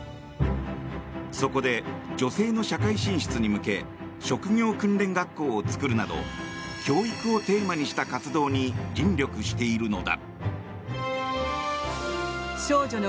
そこで、女性の社会進出に向け職業訓練学校を作るなど教育をテーマにした活動に尽力しているのだ。